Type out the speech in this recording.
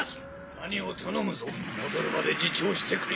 谷を頼むぞ戻るまで自重してくれ。